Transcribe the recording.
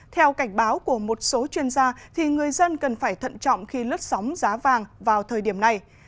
theo cảnh báo của một số chuyên gia người dân cần phải thận trọng khi lướt sóng giá vàng vào thời điểm này